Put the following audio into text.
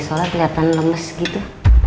soalnya keliatan lemes gitu